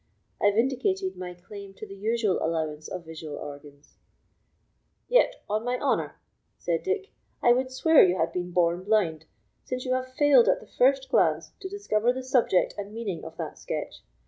I vindicated my claim to the usual allowance of visual organs. "Yet, on my honour," said Dick, "I would swear you had been born blind, since you have failed at the first glance to discover the subject and meaning of that sketch.